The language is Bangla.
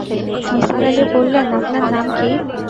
নিসার আলি বললেন, আপনার নাম কি?